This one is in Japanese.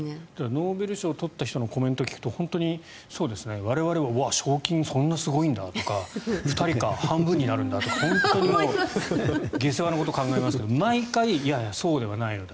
ノーベル賞を取った人のコメントを聞くと本当に我々は賞金、そんなすごいんだとか２人か、半分になるのかとか本当に下世話なことを考えますが毎回、そうではないんだ